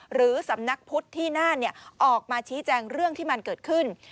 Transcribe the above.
หรือสำนักพุทธที่น่านออกมาชี้แจงเรื่องที่มันเกิดขึ้น